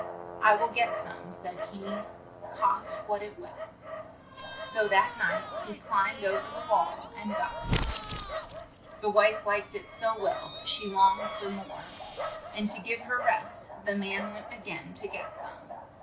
"I will get some," said he, "cost what it will." So that night he climbed o ver the wall and got some. The wife liked it so well that she longed for more, and to give her rest the man went a gain to get some.